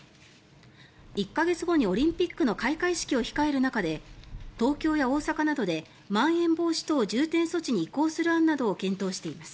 １か月後にオリンピックの開会式を控える中で東京や大阪などでまん延防止等重点措置に移行する案などを検討しています。